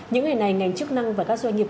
những ngày này ngành chức năng và các doanh nghiệp